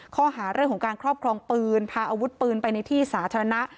ข้อหาเรื่องของการครอบครองปืนพาอาวุธปืนไปในที่สาธารณะ